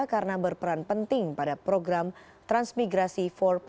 karena berperan penting pada program transmigrasi empat